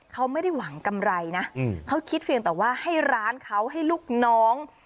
เขาไม่ได้หวังกำไรนะเขาคิดเพียงแต่ว่าให้ร้านเขาให้ลูกน้อง